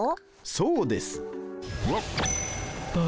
そうです。